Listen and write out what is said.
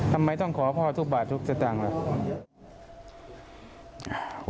ทำไมต้องขอพ่อทุกบาททุกสตางค์ล่ะ